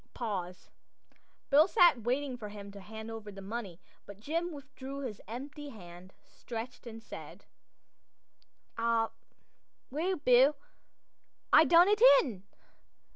Pause. Bill sat waiting for him to hand over the money; but Jim withdrew his hand empty, stretched, and said: "Ah, well, Bill, I done it in.